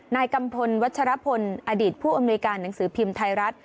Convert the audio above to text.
กัมพลวัชรพลอดีตผู้อำนวยการหนังสือพิมพ์ไทยรัฐ